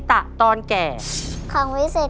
ตัวเลือกที่สอง๘คน